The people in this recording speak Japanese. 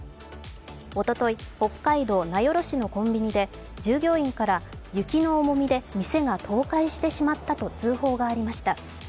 おととい、北海道名寄市のコンビニで従業員から雪の重みで店が倒壊してしまったと通報がありました。